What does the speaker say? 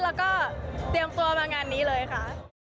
แล้วก็เตรียมตัวมางานนี้เลยค่ะ